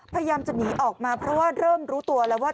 พยายามจะหนีออกมาเพราะว่าเริ่มรู้ตัวแล้วว่า